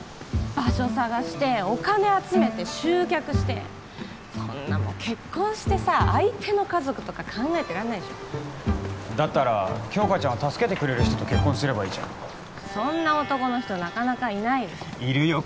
場所探してお金集めて集客してそんなもう結婚してさ相手の家族とか考えてらんないでしょだったら杏花ちゃんを助けてくれる人と結婚すればいいじゃんそんな男の人なかなかいないでしょいるよ